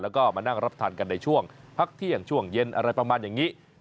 แล้วก็มานั่งรับทานกันในช่วงพักเที่ยงช่วงเย็นอะไรประมาณอย่างนี้